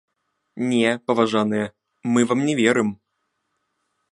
Не, паважаныя, мы вам не верым!